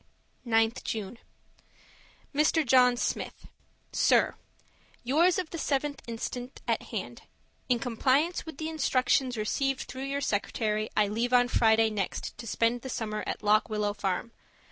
9th June Mr. John Smith, SIR: Yours of the 7th inst. at hand. In compliance with the instructions received through your secretary, I leave on Friday next to spend the summer at Lock Willow Farm.